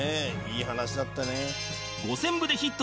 いい話だったね」